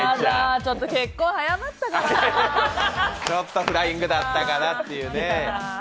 ちょっとフライングだったかなというね。